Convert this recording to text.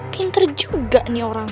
kinter juga nih orang